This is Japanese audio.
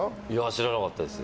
知らなかったです。